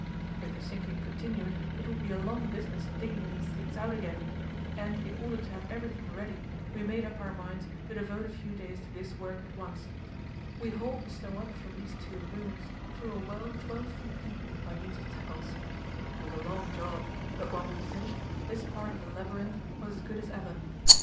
If the sinking continued, it would be a long business digging these things out again, and in order to have everything ready we made up our minds to devote a few days to this work at once. We hauled the snow up from these two rooms through a well twelve feet deep by means of tackles. It was a long job, but when we had finished this part of the labyrinth was as good as ever.